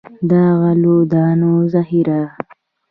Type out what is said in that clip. د غلو دانو ذخیره.